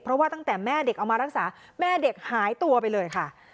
เพราะว่าตั้งแต่แม่เด็กเอามารักษาแม่เด็กหายตัวไปเลยค่ะ